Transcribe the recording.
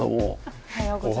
おはようございます。